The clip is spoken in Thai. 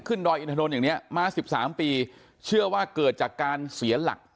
ดอยอินทนนท์อย่างเนี้ยมาสิบสามปีเชื่อว่าเกิดจากการเสียหลัก